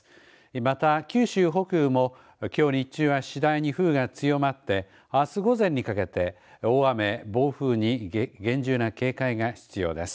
また九州北部もきょう日中は次第に風雨が強まってあす午前にかけて、大雨、暴風に厳重な警戒が必要です。